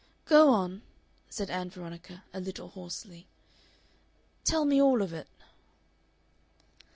"Go on," said Ann Veronica, a little hoarsely, "tell me all of it."